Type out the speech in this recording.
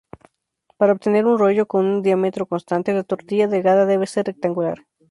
Para obtener un rollo con un diámetro constante, la tortilla delgada debe ser rectangular.